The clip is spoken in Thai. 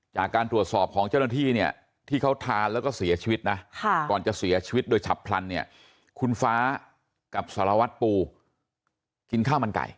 จากการตรวจสอบของเจ้าหน้าที่เนี่ยที่เขาทานแล้วก็เสียชีวิตนะก่อนจะเสียชีวิตโดยฉับพลันเนี่ยคุณฟ้ากับสารวัตรปูกินข้าวมันไก่